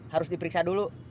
harus diperiksa dulu